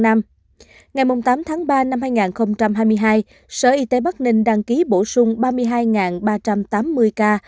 ngày tám tháng ba năm hai nghìn hai mươi hai sở y tế bắc ninh đăng ký bổ sung ba mươi hai ba trăm tám mươi ca